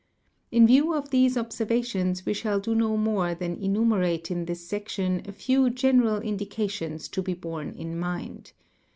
In view of these — observations we shall do no more than enumerate in this section a few — general indications to be borne in mind.